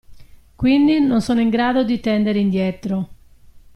Quindi non sono in grado di tendere indietro.